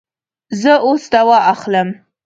زه اوس دوا اخلم